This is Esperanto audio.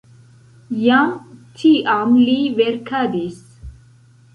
Jam tiam li verkadis.